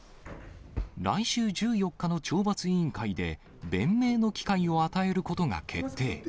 来週１４日の懲罰委員会で、弁明の機会を与えることが決定。